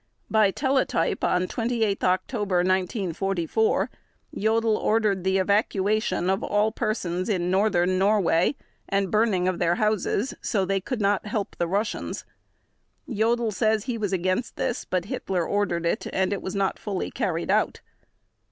By teletype of 28 October 1944 Jodl ordered the evacuation of all persons in northern Norway and burning of their houses so they could not help the Russians. Jodl says he was against this, but Hitler ordered it and it was not fully carried out.